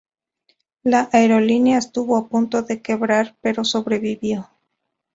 La aerolínea estuvo a punto de quebrar, pero sobrevivió.